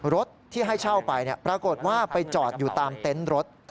รถที่ให้เช่าไปปรากฏว่าไปจอดอยู่ตามเต็นต์รถ